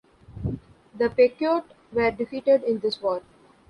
The Pequot were defeated in this war.